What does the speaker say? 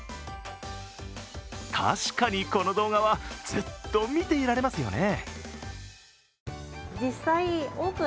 確かに、この動画はずっと見てられますよね。